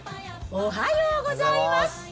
おはようございます！